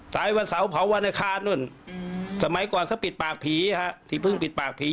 สายวัดเสาผ้าวรรณภาษณ์นู้นสมัยก่อนเขาปิดปากผีที่เพิ่งปิดปากผี